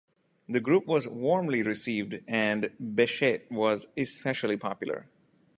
The group was warmly received, and Bechet was especially popular.